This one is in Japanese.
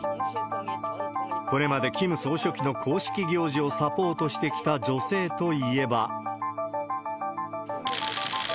これまでキム総書記の公式行事をサポートしてきた女性といえば。